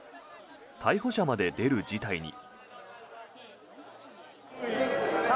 逮捕者まで出る事態に。